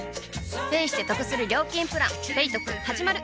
ペイしてトクする料金プラン「ペイトク」始まる！